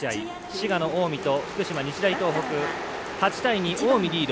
滋賀の近江と福島、日大東北８対２、近江リード。